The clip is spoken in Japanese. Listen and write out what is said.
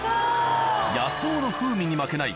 野草の風味に負けない